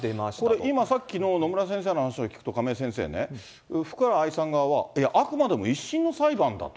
これ、今さっきの野村先生の話を聞くと、亀井先生ね、福原愛さん側は、いや、あくまでも１審の裁判だと。